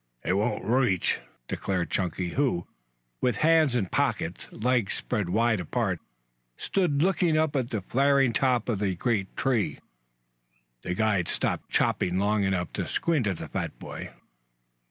"It won't reach," declared Chunky, who, with hands in pockets, legs spread wide apart, stood looking up at the flaring top of the great tree. The guide stopped chopping long enough to squint at the fat boy.